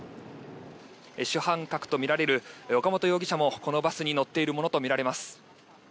主犯格とみられる岡本容疑者もこのバスに乗っているものとみられます。